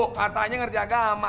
katanya ngerjakan agama